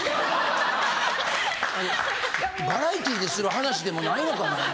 バラエティでする話でもないのかな。